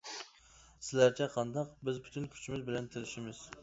سىلەرچە قانداق؟ -بىز پۈتۈن كۈچىمىز بىلەن تىرىشىمىز.